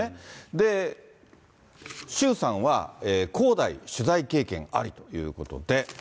で、周さんは、恒大取材経験ありということで。